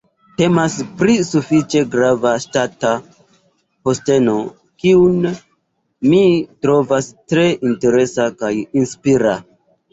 Temas pri sufiĉe grava ŝtata posteno, kiun mi trovas tre interesa kaj inspira.